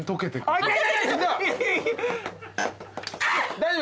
大丈夫。